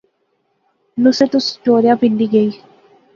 نصرت اس ٹوریا پنڈی گئی